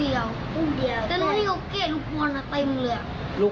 แล้วลูกเลือดจุดอะไรลูก